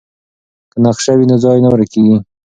که نقشه وي نو ځای نه ورکیږي.